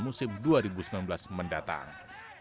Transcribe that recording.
musim dua ribu sembilan belas mendatang